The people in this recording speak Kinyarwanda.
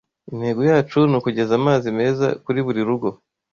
intego yacu n’ukugeza amazi meza kuri buri rugo